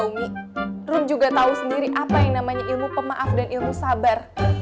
rumi run juga tahu sendiri apa yang namanya ilmu pemaaf dan ilmu sabar